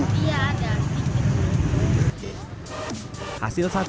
iya ada sedikit